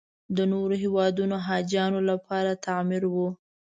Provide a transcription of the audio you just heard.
د نورو هېوادونو حاجیانو لپاره تعمیر و.